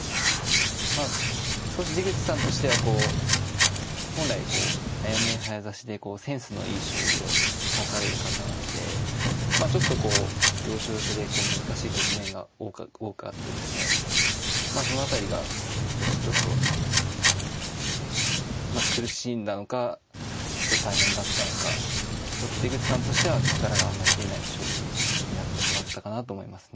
まあ少し出口さんとしてはこう本来こう早見え早指しでセンスのいい将棋を指される方なんでまあちょっとこう要所要所で難しい局面が多くあってですねまあその辺りが少しちょっとうん苦しんだのかちょっと大変だったのかちょっと出口さんとしては力があんまり出ない将棋になってしまったかなと思いますね。